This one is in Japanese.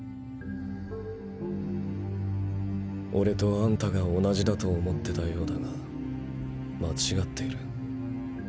オレとあんたが同じだと思ってたようだが間違っている。